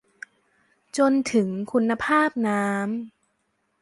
จนถึงคุณภาพน้ำ